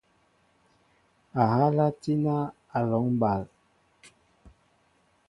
Ahala tína a lɔŋ baá.